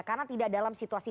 karena tidak dalam situasi